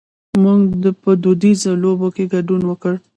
مونږ په دودیزو لوبو کې ګډون وکړ.